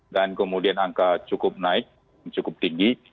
dan kemudian angka cukup naik cukup tinggi